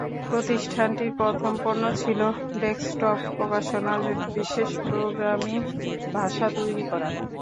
প্রতিষ্ঠানটির প্রথম পণ্য ছিল ডেক্সটপ প্রকাশনার জন্য বিশেষ প্রোগ্রামিং ভাষা তৈরি করা।